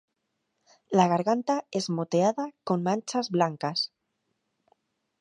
La garganta es moteada con manchas blancas.